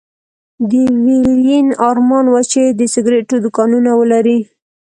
د ويلين ارمان و چې د سګرېټو دوکانونه ولري.